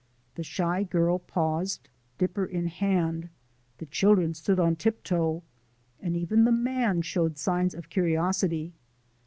The shy girl paused, dipper in hand, the children stood on tiptoe, and even the man showed signs of curiosity.